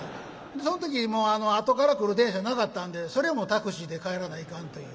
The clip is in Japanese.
その時あとから来る電車なかったんでそれもタクシーで帰らないかんという。